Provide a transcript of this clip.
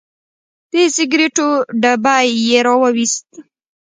د سګریټو ډبی یې راوویست.